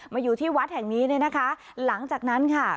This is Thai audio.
อยู่ที่วัดแห่งนี้เนี่ยนะคะหลังจากนั้นค่ะ